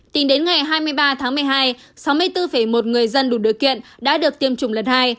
tính đến ngày hai mươi ba tháng một mươi hai sáu mươi bốn một người dân đủ điều kiện đã được tiêm chủng lần hai